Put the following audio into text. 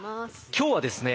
今日はですね